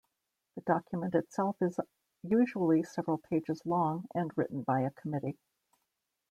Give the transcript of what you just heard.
The document itself is usually several pages long and written by a committee.